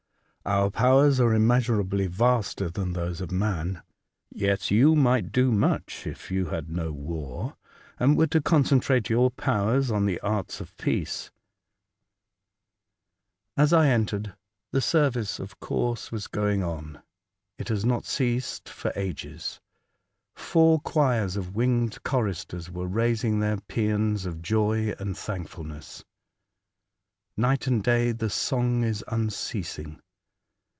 Our powers are immeasurably vaster than those of man. Yet you might do much if you had no war, and were to concentrate your powers on the arts of peace. Welcome Home. 77 As I entered, the service, of course, was going on : it has not ceased for ages. Four choirs of winged choristers were raising their pseans of joy and thankfulness. Night and day the song is unceasing.